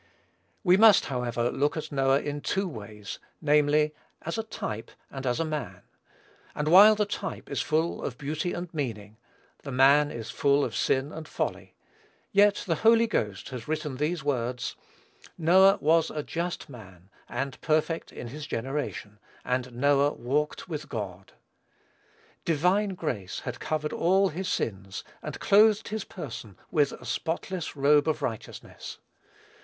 We must, however, look at Noah in two ways, namely, as a type, and as a man; and while the type is full of beauty and meaning, the man is full of sin and folly; yet the Holy Ghost has written these words, "Noah was a just man, and perfect in his generation; and Noah walked with God." Divine grace had covered all his sins, and clothed his person with a spotless robe of righteousness.